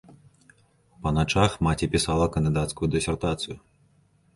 Па начах маці пісала кандыдацкую дысертацыю.